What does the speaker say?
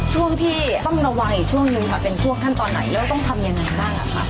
ช่วงที่ต้องระวังอีกช่วงหนึ่งค่ะเป็นช่วงขั้นตอนไหนแล้วต้องทำยังไงบ้างคะ